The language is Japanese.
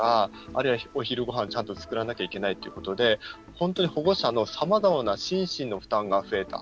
あるいは、お昼ごはんをちゃんと作らなきゃいけないっていうことで本当に保護者のさまざまな心身の負担が増えた。